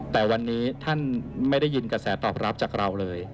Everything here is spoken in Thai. แต่วันนี้ท่านไม่ได้ยินกระแสตอบรับจากเราเลย